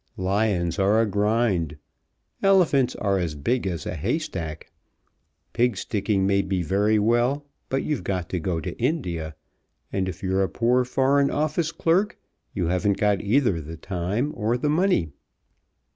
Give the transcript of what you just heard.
Lions are a grind. Elephants are as big as a hay stack. Pig sticking may be very well, but you've got to go to India, and if you're a poor Foreign Office clerk you haven't got either the time or the money."